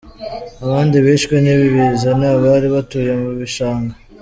Abandi bishwe n’ibi biza ni abari batuye mu bishanga.